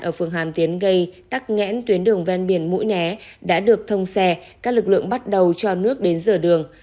ở phường hàm tiến gây tắc nghẽn tuyến đường ven biển mũi né đã được thông xe các lực lượng bắt đầu cho nước đến rửa đường